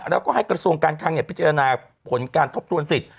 แล้วก็ให้กระทรวงการคังพิจารณาผลการทบทวนสิทธิ